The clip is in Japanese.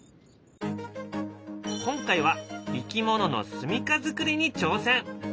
今回はいきもののすみかづくりに挑戦。